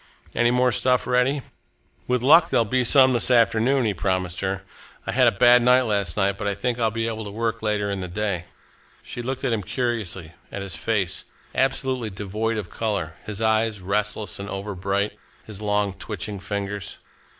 "Any more stuff ready?" "With luck there'll be some this afternoon," he promised her. "I had a bad night last night, but I think I'll be able to work later in the day." She looked at him curiously, at his face, absolutely devoid of colour, his eyes, restless and overbright, his long, twitching fingers.